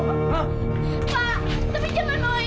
pak tapi jangan bawa iis pak